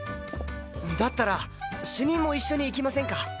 だったら主任も一緒に行きませんか？